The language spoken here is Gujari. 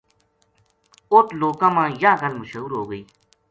اُت لوکاں ما یاہ گل مشہور ہو گئی